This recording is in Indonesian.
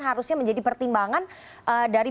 harusnya menjadi pertimbangan dari